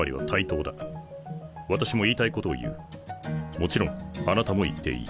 もちろんあなたも言っていい。